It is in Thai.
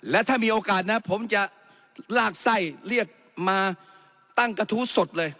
และถ้ามีโอกาสนะผมจะลากไส้เรียกมาตั้งกระทู้สดเลย